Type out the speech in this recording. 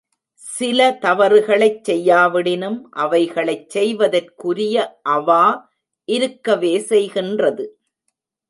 சில தவறுகளைச் செய்யாவிடினும் அவைகளைச் செய்வதற்குரிய அவா இருக்கவே செய்கின்றது.